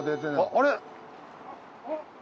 あれ？